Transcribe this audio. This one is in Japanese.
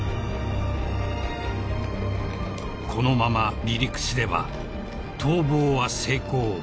［このまま離陸すれば逃亡は成功］